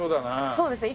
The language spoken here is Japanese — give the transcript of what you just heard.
そうですね。